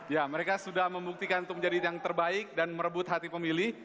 ya mereka sudah membuktikan untuk menjadi yang terbaik dan merebut hati pemilih